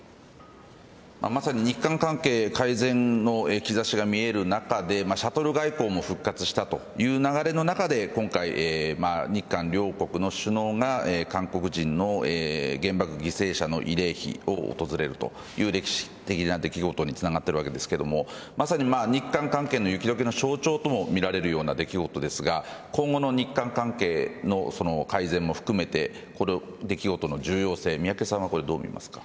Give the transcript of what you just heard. まさに日韓関係改善の兆しが見える中でシャトル外交も復活したという流れの中で今回日韓両国の首脳が韓国人の原爆犠牲者の慰霊碑を訪れるという歴史的な出来事につながっているわけですけどまさに日韓関係の雪解けの象徴ともみられるような出来事ですが今後の日韓関係の改善も含めてこの出来事の重要性宮家さんはどう見ますか。